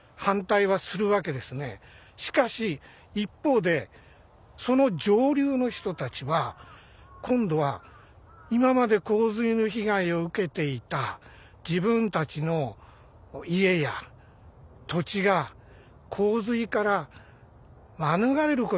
しかし一方でその上流の人たちは今度は今まで洪水の被害を受けていた自分たちの家や土地が洪水から免れることができる。